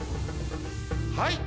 はい！